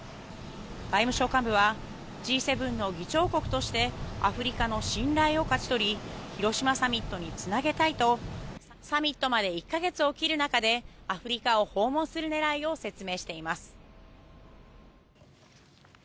外務省幹部はＧ７の議長国としてアフリカの信頼を勝ち取り広島サミットにつなげたいとサミットまで１か月を切る中でアフリカを訪問する狙いを説明しています。